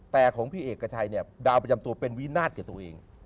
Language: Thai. แต่ของพี่เอกชัยเนี่ยดาวประจำตัวเป็นวินาศแก่ตัวเอง